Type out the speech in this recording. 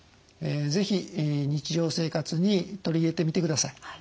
是非日常生活に取り入れてみてください。